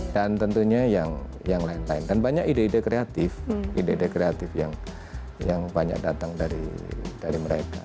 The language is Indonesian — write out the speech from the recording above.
dan tentunya yang lain lain dan banyak ide ide kreatif ide ide kreatif yang banyak datang dari mereka